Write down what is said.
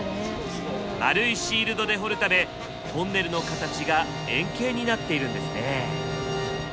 丸いシールドで掘るためトンネルの形が円形になっているんですね。